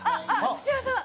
土屋さん！